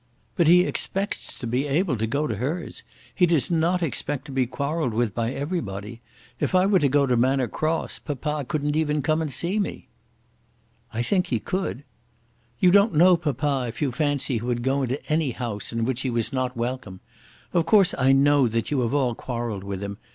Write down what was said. "But he expects to be able to go to hers. He does not expect to be quarrelled with by everybody. If I were to go to Manor Cross, papa couldn't even come and see me." "I think he could." "You don't know papa if you fancy he would go into any house in which he was not welcome. Of course I know that you have all quarrelled with him.